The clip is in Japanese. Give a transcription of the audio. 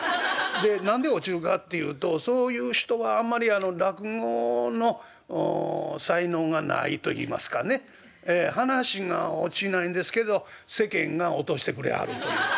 何で落ちるかっていうとそういう人はあんまり落語の才能がないといいますかね噺が落ちないんですけど世間が落としてくれはるという。